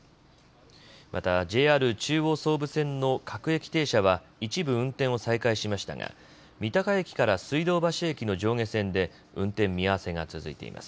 またＪＲ中央・総武線の各駅停車は一部、運転を再開しましたが三鷹駅から水道橋駅の上下線で運転見合わせが続いています。